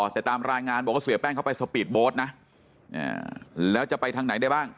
แต่ตามรายงานบอกว่าเสียแป้งเขาไปสปีดโบ๊ทนะแล้วจะไปทางไหนได้บ้าง